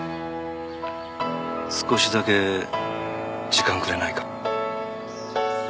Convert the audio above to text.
少しだけ時間くれないか？